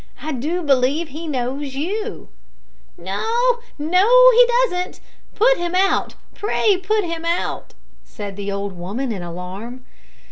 I do believe he knows you!" "No, no, he doesn't. Put him out; pray put him out," said the old woman, in alarm.